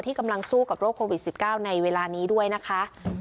กำลังสู้กับโรคโควิด๑๙ในเวลานี้ด้วยนะคะ